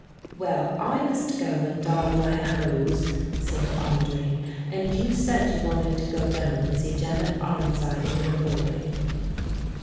"Well, I must go and darn my hose," said Audry, "and you said you wanted to go down and see Janet Arnside and her boy."